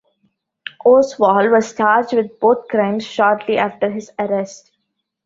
Oswald was charged with both crimes shortly after his arrest.